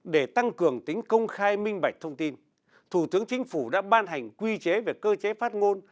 để tăng cường tính công khai minh bạch thông tin thủ tướng chính phủ đã ban hành quy chế về cơ chế phát ngôn